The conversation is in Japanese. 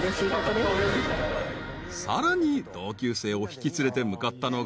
［さらに同級生を引き連れて向かったのが］